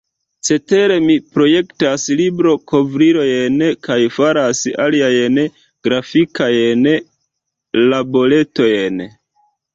Cetere mi projektas librokovrilojn kaj faras aliajn grafikajn laboretojn.